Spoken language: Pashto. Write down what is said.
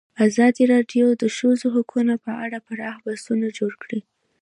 ازادي راډیو د د ښځو حقونه په اړه پراخ بحثونه جوړ کړي.